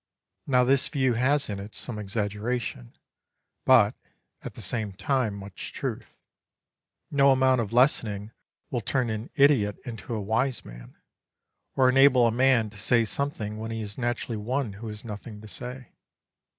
Now this view has in it some exaggeration, but, at the same time, much truth. No amount of lessoning will turn an idiot into a wise man, or enable a man to say something when he is naturally one who has nothing to say.